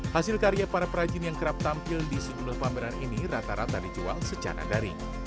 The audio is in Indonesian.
hasil karya para perajin yang kerap tampil di sejumlah pameran ini rata rata dijual secara daring